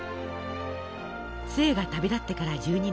壽衛が旅立ってから１２年。